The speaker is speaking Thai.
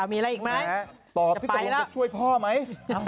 เอามีอะไรอีกไหมอยากไปละตอบที่จะสามารถช่วยพ่อไหม